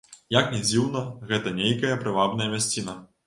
Як ні дзіўна, гэта нейкая прывабная мясціна.